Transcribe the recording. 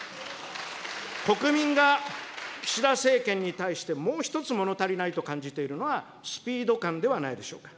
国民が岸田政権に対して、もう１つもの足りないと感じているのは、スピード感ではないでしょうか。